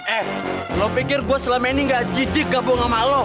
eh lo pikir gue selama ini gak jijik gabung sama lo